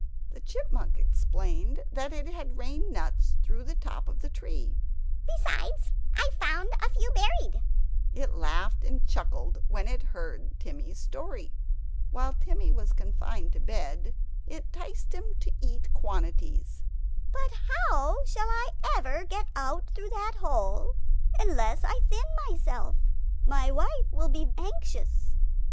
The Chipmunk explained that it had rained nuts through the top of the tree "Besides, I found a few buried!" It laughed and chuckled when it heard Timmy's story. While Timmy was confined to bed, it 'ticed him to eat quantities "But how shall I ever get out through that hole unless I thin myself? My wife will be anxious!"